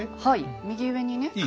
はい右上にね。